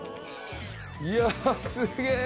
いやすげぇ。